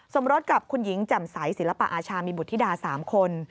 สมรสกับคุณหญิงแจ่มใสศิลปะอาชามีบุธิดา๓คน